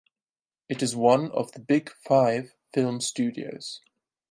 It is one of the Big Five film studios.